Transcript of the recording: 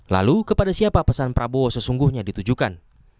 lalu kepada siapa pesan prabowo sesungguhnya ditujukan